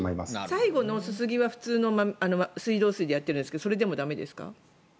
最後のすすぎは普通の水道水でやってるんですけどそれでも駄目ですか？